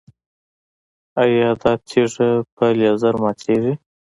ایا دا تیږه په لیزر ماتیږي؟